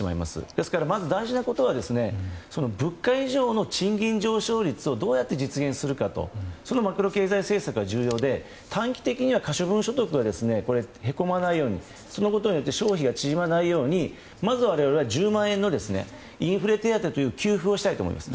ですから、まず大事なことは物価以上の賃金上昇率をどうやって実現するかとそのマクロ経済政策が重要でして短期的には可処分所得はへこまないようにそのことによって消費が縮まないようにまずは我々は１０万円のインフレ手当という給付をしたいと思います。